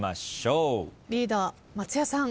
リーダー松也さん。